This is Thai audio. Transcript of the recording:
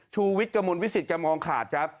ชูวิทย์กระมุนวิสิทธิ์กระมองขาดครับ